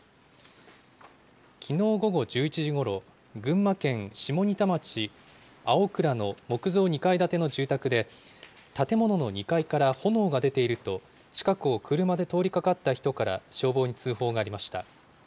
きのう午後１１時ごろ、群馬県下仁田町青倉の木造２階建ての住宅で、建物の２階から炎が出ていると、近くを車で通りかかった人から消防に通報がありました。